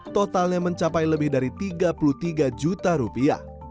totalnya mencapai lebih dari tiga puluh tiga juta rupiah